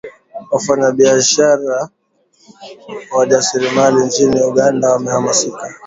wafanyabiashara na wajasiriamali nchini Uganda wamehamasika